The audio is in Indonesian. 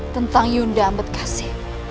tentang yunda ambedkase